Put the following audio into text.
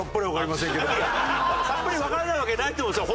さっぱりわからないわけないと思うんですよ